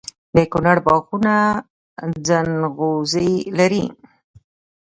د کونړ باغونه ځنغوزي لري.